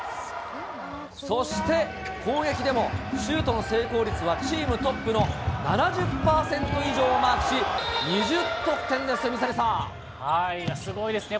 そして、攻撃でもシュートの成功率はチームトップの７０％以上をマークし、すごいですね。